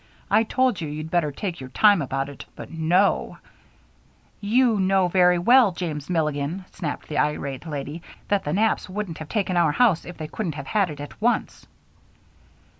I told you you'd better take your time about it, but no " "You know very well, James Milligan," snapped the irate lady, "that the Knapps wouldn't have taken our house if they couldn't have had it at once."